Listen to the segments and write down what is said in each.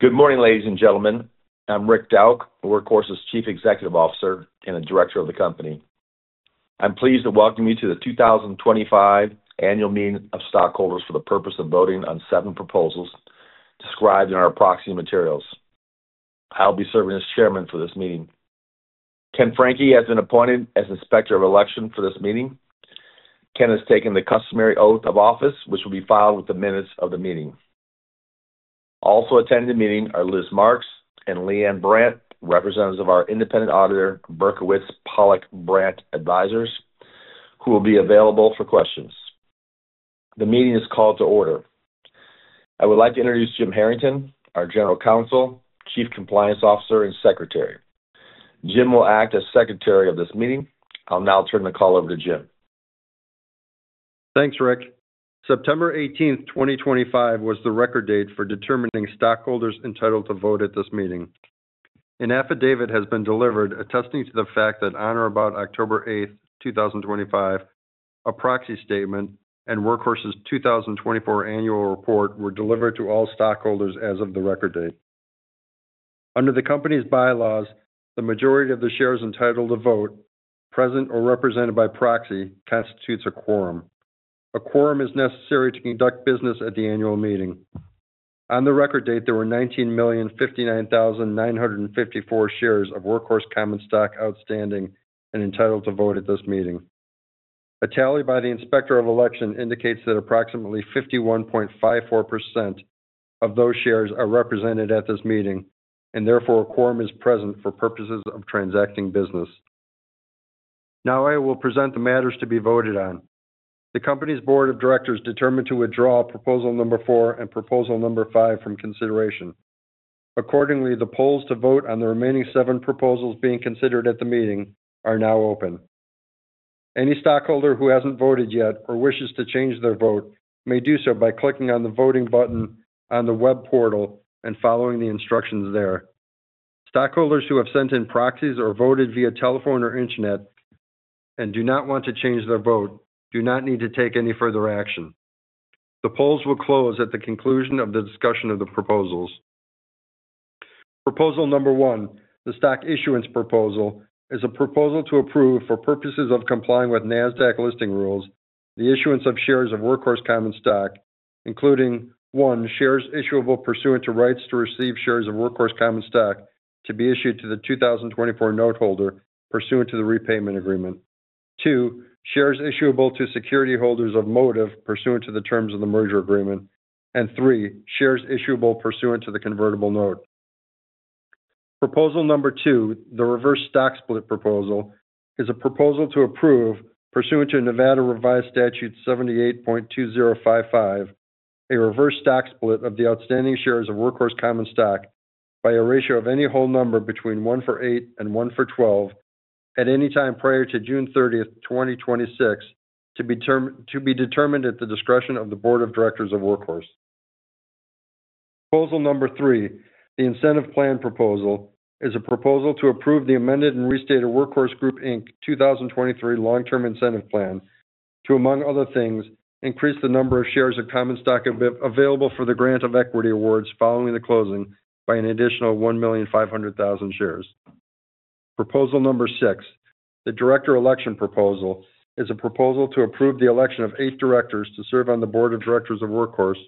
Good morning, ladies and gentlemen. I'm Rick Dauch, Workhorse's Chief Executive Officer and the Director of the Company. I'm pleased to welcome you to the 2025 Annual Meeting of Stockholders for the purpose of voting on seven proposals described in our proxy materials. I'll be serving as Chairman for this meeting. [Ken Franke] has been appointed as Inspector of Election for this meeting. Ken has taken the customary oath of office, which will be filed with the minutes of the meeting. Also attending the meeting are Liz Marks and [Leanne Brant], representatives of our independent auditor, Berkowitz Pollack Brant Advisors, who will be available for questions. The meeting is called to order. I would like to introduce Jim Harrington, our General Counsel, Chief Compliance Officer, and Secretary. Jim will act as Secretary of this meeting. I'll now turn the call over to Jim. Thanks, Rick. September 18, 2025, was the record date for determining stockholders entitled to vote at this meeting. An affidavit has been delivered attesting to the fact that on or about October 8, 2025, a proxy statement and Workhorse's 2024 Annual Report were delivered to all stockholders as of the record date. Under the Company's bylaws, the majority of the shares entitled to vote, present or represented by proxy, constitutes a quorum. A quorum is necessary to conduct business at the Annual Meeting. On the record date, there were 19,059,954 shares of Workhorse Common Stock outstanding and entitled to vote at this meeting. A tally by the Inspector of Election indicates that approximately 51.54% of those shares are represented at this meeting, and therefore a quorum is present for purposes of transacting business. Now I will present the matters to be voted on. The Company's Board of Directors determined to withdraw Proposal Number 4 and Proposal Number 5 from consideration. Accordingly, the polls to vote on the remaining seven proposals being considered at the meeting are now open. Any stockholder who hasn't voted yet or wishes to change their vote may do so by clicking on the voting button on the web portal and following the instructions there. Stockholders who have sent in proxies or voted via telephone or internet and do not want to change their vote do not need to take any further action. The polls will close at the conclusion of the discussion of the proposals. Proposal Number 1, the Stock Issuance Proposal, is a proposal to approve, for purposes of complying with Nasdaq Listing Rules, the issuance of shares of Workhorse Common Stock, including: one, shares issuable pursuant to rights to receive shares of Workhorse Common Stock to be issued to the 2024 noteholder pursuant to the repayment agreement. Two, shares issuable to security holders of Motiv pursuant to the terms of the merger agreement. Three, shares issuable pursuant to the convertible note. Proposal Number 2, the Reverse Stock Split Proposal, is a proposal to approve pursuant to Nevada Revised Statute 78.2055, a reverse stock split of the outstanding shares of Workhorse Common Stock by a ratio of any whole number between one for eight and one for twelve at any time prior to June 30, 2026, to be determined at the discretion of the Board of Directors of Workhorse. Proposal Number 3, the Incentive Plan Proposal, is a proposal to approve the amended and restated Workhorse Group Inc 2023 Long-Term Incentive Plan to, among other things, increase the number of shares of Common Stock available for the grant of equity awards following the closing by an additional 1,500,000 shares. Proposal Number 6, the Director Election Proposal, is a proposal to approve the election of eight directors to serve on the Board of Directors of Workhorse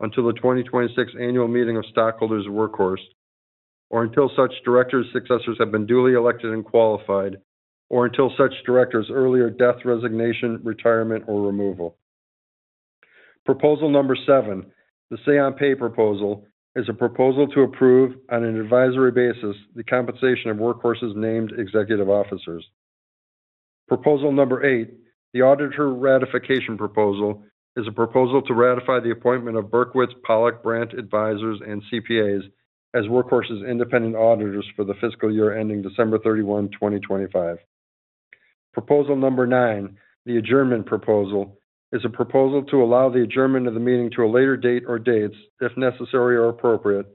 until the 2026 Annual Meeting of Stockholders of Workhorse or until such directors' successors have been duly elected and qualified or until such directors' earlier death, resignation, retirement, or removal. Proposal Number 7, the Say-on-Pay Proposal, is a proposal to approve on an advisory basis the compensation of Workhorse's named executive officers. Proposal Number 8, the Auditor Ratification Proposal, is a proposal to ratify the appointment of Berkowitz Pollack Brant Advisors + CPAs as Workhorse's independent auditors for the fiscal year ending December 31, 2025. Proposal Number 9, the Adjournment Proposal, is a proposal to allow the adjournment of the meeting to a later date or dates, if necessary or appropriate,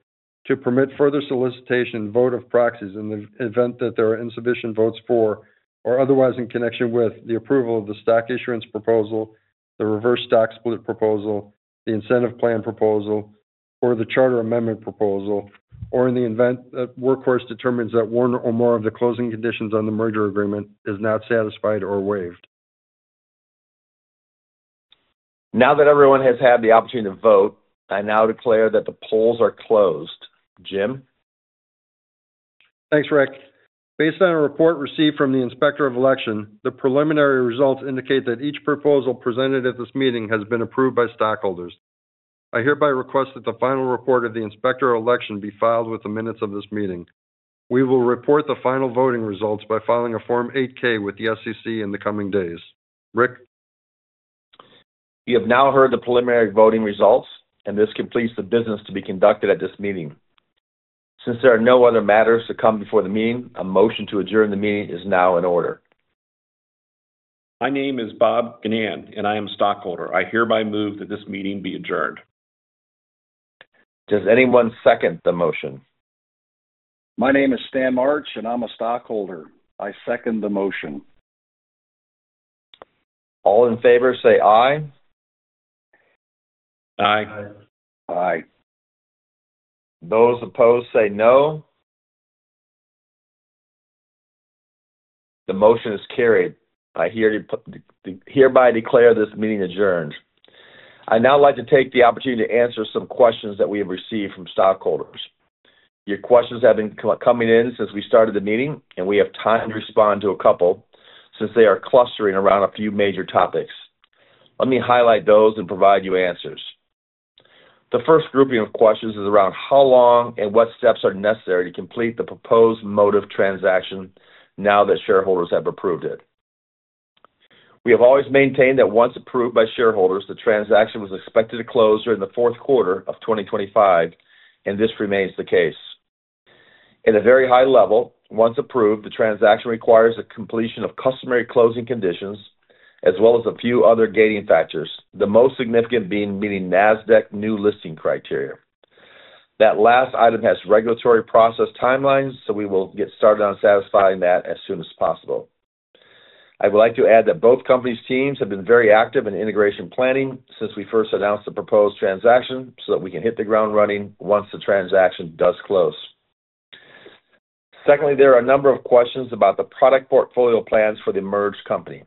to permit further solicitation and vote of proxies in the event that there are insufficient votes for or otherwise in connection with the approval of the Stock Issuance Proposal, the Reverse Stock Split Proposal, the Incentive Plan Proposal, or the Charter Amendment Proposal, or in the event that Workhorse determines that one or more of the closing conditions on the merger agreement is not satisfied or waived. Now that everyone has had the opportunity to vote, I now declare that the polls are closed. Jim? Thanks, Rick. Based on a report received from the Inspector of Election, the preliminary results indicate that each proposal presented at this meeting has been approved by stockholders. I hereby request that the final report of the Inspector of Election be filed with the minutes of this meeting. We will report the final voting results by filing a Form 8-K with the SEC in the coming days. Rick? You have now heard the preliminary voting results, and this completes the business to be conducted at this meeting. Since there are no other matters to come before the meeting, a motion to adjourn the meeting is now in order. My name is Bob Ginnan, and I am a stockholder. I hereby move that this meeting be adjourned. Does anyone second the motion? My name is Stan March, and I'm a stockholder. I second the motion. All in favor say aye. Aye. Aye. Aye. Those opposed say no. The motion is carried. I hereby declare this meeting adjourned. I'd now like to take the opportunity to answer some questions that we have received from stockholders. Your questions have been coming in since we started the meeting, and we have time to respond to a couple since they are clustering around a few major topics. Let me highlight those and provide you answers. The first grouping of questions is around how long and what steps are necessary to complete the proposed Motiv transaction now that shareholders have approved it. We have always maintained that once approved by shareholders, the transaction was expected to close during the fourth quarter of 2025, and this remains the case. At a very high level, once approved, the transaction requires the completion of customary closing conditions as well as a few other gating factors, the most significant being meeting Nasdaq new listing criteria. That last item has regulatory process timelines, so we will get started on satisfying that as soon as possible. I would like to add that both companies' teams have been very active in integration planning since we first announced the proposed transaction so that we can hit the ground running once the transaction does close. Secondly, there are a number of questions about the product portfolio plans for the merged company.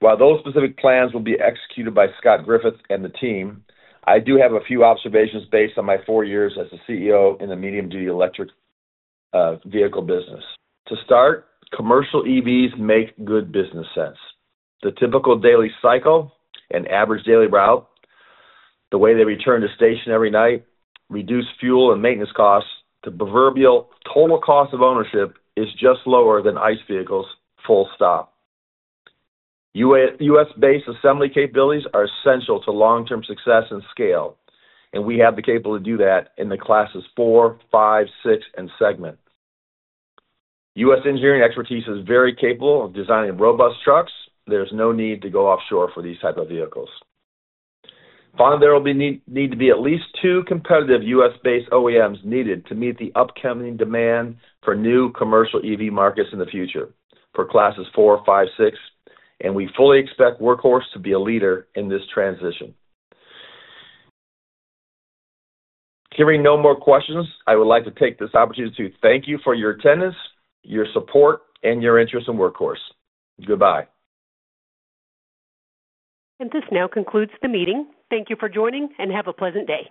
While those specific plans will be executed by Scott Griffith and the team, I do have a few observations based on my four years as the CEO in the medium-duty electric vehicle business. To start, commercial EVs make good business sense. The typical daily cycle and average daily route, the way they return to station every night, reduce fuel and maintenance costs, the proverbial total cost of ownership is just lower than ICE vehicles. Full stop. U.S.-based assembly capabilities are essential to long-term success and scale, and we have the capability to do that in the classes 4, 5, 6, and segment. U.S. engineering expertise is very capable of designing robust trucks. There's no need to go offshore for these types of vehicles. Finally, there will need to be at least two competitive U.S.-based OEMs needed to meet the upcoming demand for new commercial EV markets in the future for classes 4, 5, 6, and we fully expect Workhorse to be a leader in this transition. Hearing no more questions, I would like to take this opportunity to thank you for your attendance, your support, and your interest in Workhorse. Goodbye. This now concludes the meeting. Thank you for joining, and have a pleasant day.